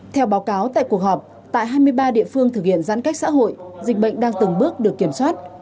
theo báo cáo tại cuộc họp tại hai mươi ba địa phương thực hiện giãn cách xã hội dịch bệnh đang từng bước được kiểm soát